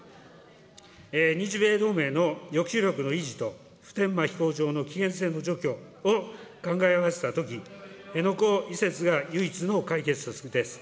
日米同盟の抑止力の維持と、普天間飛行場の危険性の除去を考えましたとき、辺野古移設が唯一の解決策です。